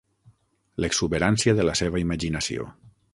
L'exuberància de la seva imaginació.